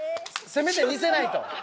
せめて似せないと。